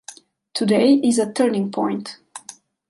Today is a turning point.